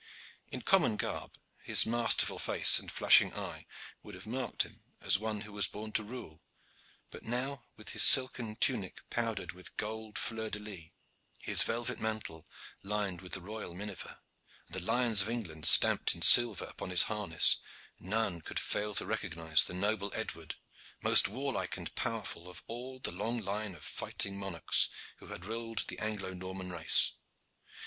In common garb, his masterful face and flashing eye would have marked him as one who was born to rule; but now, with his silken tunic powdered with golden fleurs de lis, his velvet mantle lined with the royal minever, and the lions of England stamped in silver upon his harness, none could fail to recognize the noble Edward, most warlike and powerful of all the long line of fighting monarchs who had ruled the Anglo Norman race.